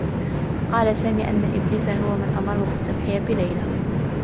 قال سامي أنّ إبليس هو من أمره بالتّضحية بليلى.